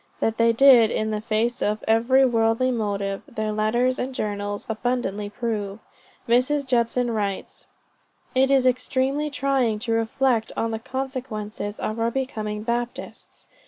That they did it in the face of every worldly motive, their letters and journals abundantly prove. Mrs. Judson writes: "It is extremely trying to reflect on the consequences of our becoming Baptists.